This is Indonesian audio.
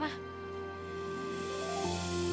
pernah combat itu